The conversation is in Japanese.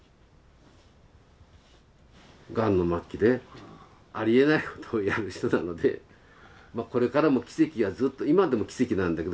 がんの末期でありえないことをやる人なのでまあこれからも奇跡がずっと今でも奇跡なんだけど。